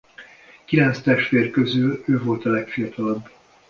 Kilenc testvér közül ő volt a legfiatalabb.